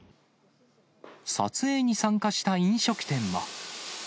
撮影に参加した飲食店は。